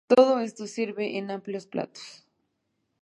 Todo esto se sirve en amplios platos.